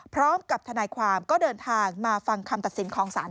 พร้อมกับทนายความก็เดินทางมาฟังคำตัดสินของศาล